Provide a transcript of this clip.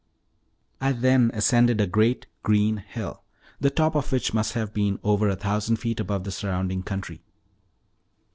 I then ascended a great green hill, the top of which must have been over a thousand feet above the surrounding country.